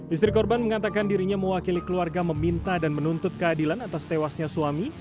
istri korban mengatakan dirinya mewakili keluarga meminta dan menuntut keadilan atas tewasnya suami